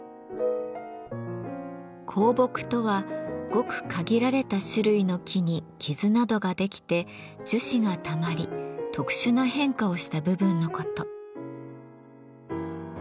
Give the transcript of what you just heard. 香木とはごく限られた種類の木に傷などができて樹脂がたまり特殊な変化をした部分のこと。